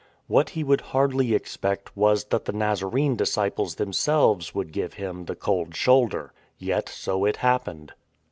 What he would hardly expect was that the Nazarene disciples themselves would give him the cold shoulder. Yet so it happened.